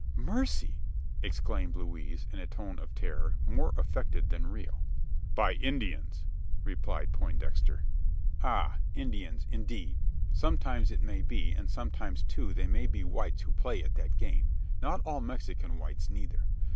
"Mercy!" exclaimed Louise, in a tone of terror, more affected than real. "By Indians," replied Poindexter. "Ah Indians, indeed! Sometimes it may be; and sometimes, too, they may be whites who play at that game not all Mexican whites, neither.